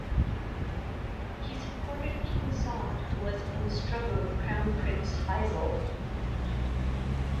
He supported King Saud who was in struggle with Crown Prince Faisal.